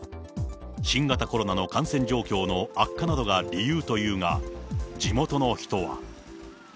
新型コロナの感染状況の悪化などが理由というが、地元の人は。